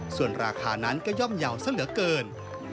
ส่วนราคานั้นก็ย่อมเยาว์ซะเหลือเกิน